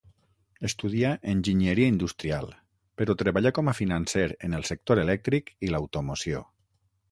Estudià enginyeria industrial però treballà com a financer en el sector elèctric i l'automoció.